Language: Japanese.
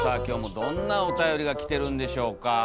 今日もどんなおたよりが来てるんでしょうか。